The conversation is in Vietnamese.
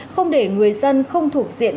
không để người dân không thuộc diện